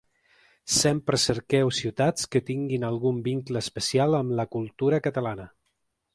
Sempre cerqueu ciutats que tinguin algun vincle especial amb la cultura catalana.